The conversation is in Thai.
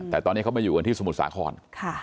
แต่ตอนนี้เขามาอยู่กันที่สมุทรสาคร